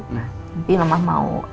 nanti lemah mau cuci sebelum masuk kulkas